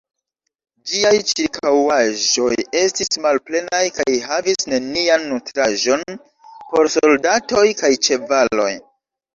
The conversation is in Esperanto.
Ĝiaj ĉirkaŭaĵoj estis malplenaj kaj havis nenian nutraĵon por soldatoj kaj ĉevaloj.